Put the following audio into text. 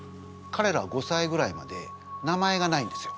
かれらは５さいぐらいまで名前がないんですよ。